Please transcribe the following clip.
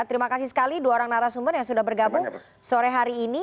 terima kasih sekali dua orang narasumber yang sudah bergabung sore hari ini